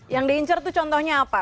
yang diincar itu contohnya apa